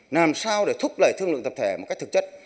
làm sao để thúc đẩy thương lượng tập thể một cách thực chất